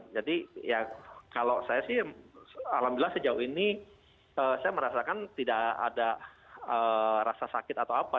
jadi ya kalau saya sih alhamdulillah sejauh ini saya merasakan tidak ada rasa sakit atau apa